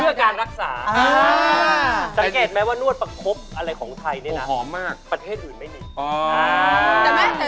สังเกตแม้ว่านวดประคบอะไรของไทยนี่นะประเทศอื่นไม่มี